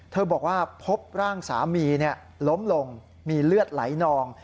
บอกว่าพบร่างสามีล้มลงมีเลือดไหลนอง